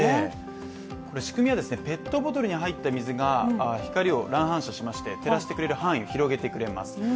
これ、仕組みはペットボトルに入った水が光を乱反射しまして照らしてくれる範囲を広げてくれます。